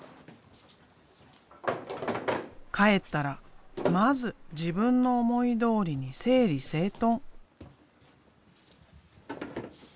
帰ったらまず自分の思いどおりに整理整頓。